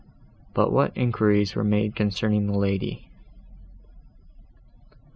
But what inquiries were made concerning the lady?"